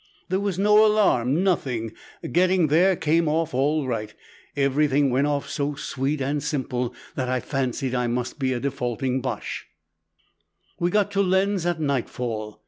"There was no alarm, nothing. Getting there came off all right. Everything went off so sweet and simple that I fancied I must be a defaulting Boche. We got to Lens at nightfall.